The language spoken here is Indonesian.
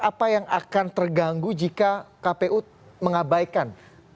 apa yang akan terganggu jika kpu mengabaikan